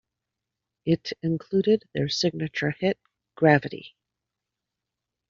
It included their signature hit "Gravity.